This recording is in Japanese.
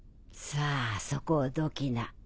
さあそこをどきな。